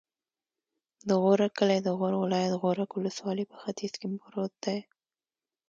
د غورک کلی د غور ولایت، غورک ولسوالي په ختیځ کې پروت دی.